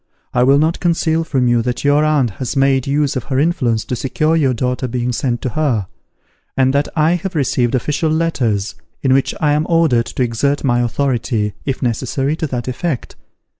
I will not conceal from you, that your aunt has made use of her influence to secure your daughter being sent to her; and that I have received official letters, in which I am ordered to exert my authority, if necessary, to that effect.